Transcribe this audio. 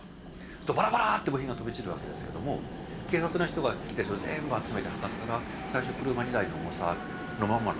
するとバラバラーッと部品が飛び散るわけですけども警察の人が来てそれ全部集めて量ったら最初車２台の重さのまんまのはずですよね。